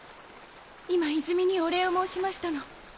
今泉にお礼を申しましたの。